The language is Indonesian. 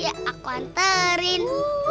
ya aku anterin